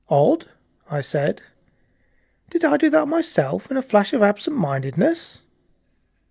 "Odd," I said. "Did I do that myself in a flash of absent mindedness?"